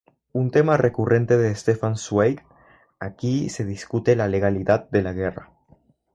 Un tema recurrente de Stefan Zweig, aquí se discute la legalidad de la guerra.